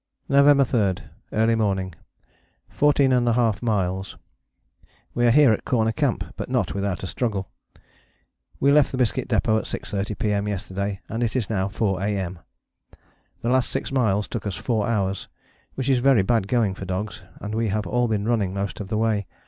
November 3. Early morning. 14½ miles. We are here at Corner Camp, but not without a struggle. We left the Biscuit Depôt at 6.30 P.M. yesterday, and it is now 4 A.M. The last six miles took us four hours, which is very bad going for dogs, and we have all been running most of the way.